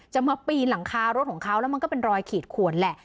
จะมาปีนหลังคารถของเขาแล้วมันก็เป็นรอยขีดขวนแหละ